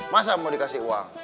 masa mau dikasih uang